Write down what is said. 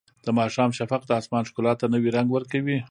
د ماښام شفق د اسمان ښکلا ته نوی رنګ ورکوي.